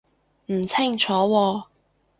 唔清楚喎